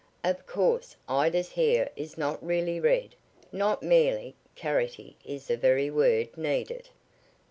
"Of course, Ida's hair is not really red not merely carroty is the very word needed.